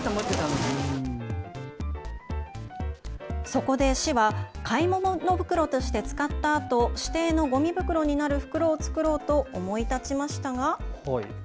そこで市は買い物袋として使ったあと指定のごみ袋になる袋を作ろうと思い立ちましたが。